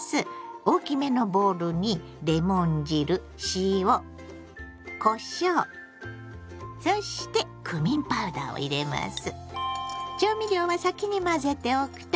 大きめのボウルにレモン汁塩こしょうそしてクミンパウダーを入れます。